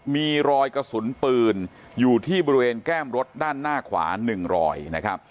มีรอยกระสุนปืนอยู่ที่บริเวณแก้มรถด้านหน้าขวา๑รอยนะครับ